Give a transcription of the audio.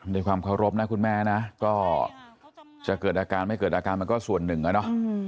ในความเคารพนะคุณแม่นะก็จะเกิดอาการไม่เกิดอาการมันก็ส่วนหนึ่งอะเนาะ